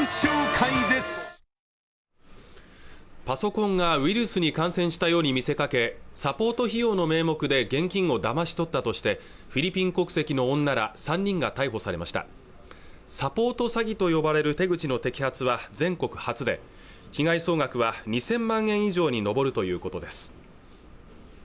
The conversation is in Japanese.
パソコンがウイルスに感染したように見せかけサポート費用の名目で現金をだまし取ったとしてフィリピン国籍の女ら３人が逮捕されましたサポート詐欺と呼ばれる手口の摘発は全国初で被害総額は２０００万円以上に上るということです